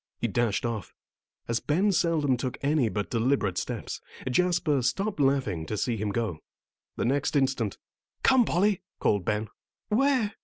He dashed off. As Ben seldom took any but deliberate steps, Jasper stopped laughing to see him go. The next instant, "Come, Polly!" called Ben. "Where?"